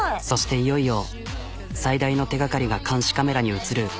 そしていよいよ最大の手がかりが監視カメラに映る。